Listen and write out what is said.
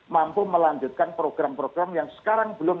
mampu melanjutkan program program yang sekarang belum